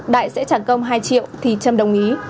đại sẽ trả công hai triệu thì trâm đồng ý